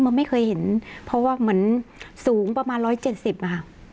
มันไม่เคยเห็นเพราะว่าเหมือนสูงประมาณร้อยเจ็ดสิบค่ะอ่า